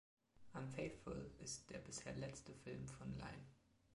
"Unfaithful" ist der bisher letzte Film von Lyne.